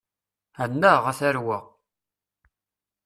Annaɣ, a tarwa!